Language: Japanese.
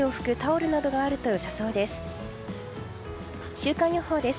週間予報です。